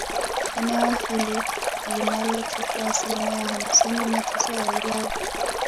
Eneo hili linalochukua asilimia hamsini na tisa ya wilaya